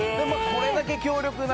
これだけ強力なね